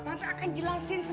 tante akan jelasinnya